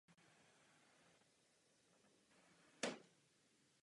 Příležitostně i zpívá.